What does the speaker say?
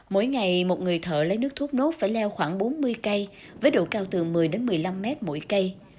mỗi ngày một người thợ lấy nước thốt nốt phải leo khoảng bốn mươi cây với độ cao từ một mươi đến một mươi năm mét mỗi cây